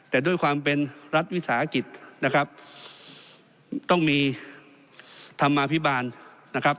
แต่ด้วยความเป็นรัฐวิสาหกิจนะครับต้องมีธรรมาภิบาลนะครับ